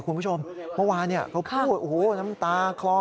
คุณผู้ชมเมื่อวานเขาพูดโอ้โหน้ำตาคลอ